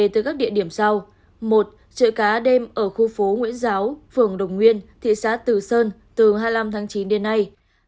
một trợ cá đêm ở khu phố nguyễn giáo phường đồng nguyên thị xã từ sơn từ hai mươi năm tháng chín đến nay